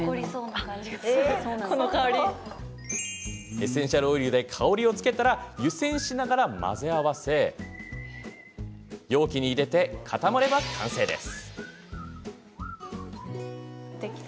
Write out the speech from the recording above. エッセンシャルオイルで香りをつけたら湯煎しながら混ぜ合わせ容器に入れて固まれば完成です。